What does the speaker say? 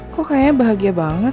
kok kayaknya bahagia banget